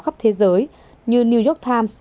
khắp thế giới như new york times